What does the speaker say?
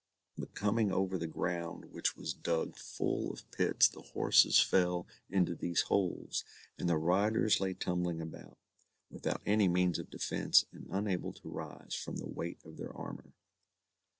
But coming over the ground which was dug full of pits the horses fell into these holes and the riders lay tumbling about, without any means of defence, and unable to rise, from the weight of their armour.